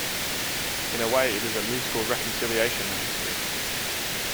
In a way it is a 'musical reconciliation' of history.